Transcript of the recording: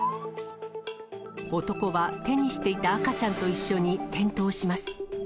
男は手にしていた赤ちゃんと一緒に転倒します。